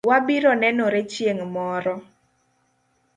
Wabiro nenore chieng' moro